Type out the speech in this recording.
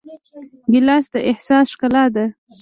ګیلاس د احساس ښکلا ده.